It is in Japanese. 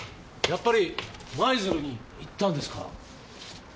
やっぱり舞鶴に行ったんですか？